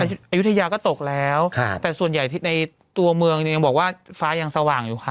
อายุทยาก็ตกแล้วแต่ส่วนใหญ่ในตัวเมืองเนี่ยยังบอกว่าฟ้ายังสว่างอยู่ค่ะ